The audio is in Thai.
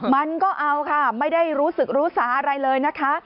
มันก็เอาค่ะไม่ได้รู้สึกรู้สาอะไรเลยนะคะ